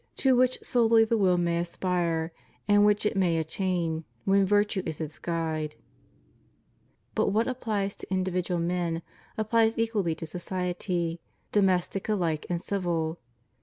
181 to which solely the will may aspire and which it may attain, when virtue is its guide. But what appUes to individual men applies equally to society — domestic alike and civil.